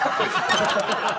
ハハハハ！